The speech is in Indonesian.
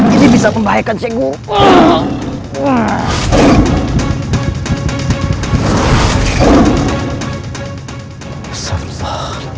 ini bisa membahayakan syekh guru